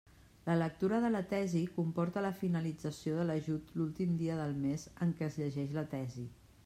La lectura de la tesi comporta la finalització de l'ajut l'últim dia del mes en què es llegeix la tesi.